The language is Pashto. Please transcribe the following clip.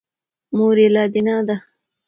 مور یې لادینه ده.